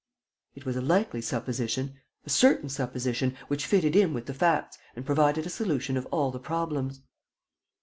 It was a likely supposition, a certain supposition, which fitted in with the facts and provided a solution of all the problems.